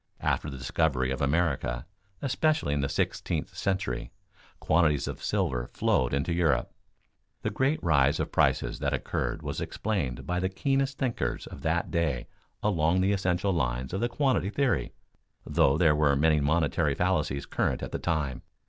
After the discovery of America, especially in the sixteenth century, quantities of silver flowed into Europe. The great rise of prices that occurred was explained by the keenest thinkers of that day along the essential lines of the quantity theory, though there were many monetary fallacies current at the time.